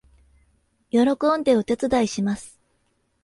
喜んでお手伝いします